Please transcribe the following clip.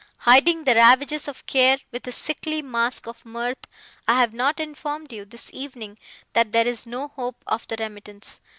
Hiding the ravages of care with a sickly mask of mirth, I have not informed you, this evening, that there is no hope of the remittance!